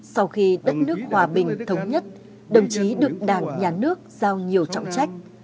sau khi đất nước hòa bình thống nhất đồng chí được đảng nhà nước giao nhiều trọng trách